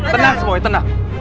tenang semua tenang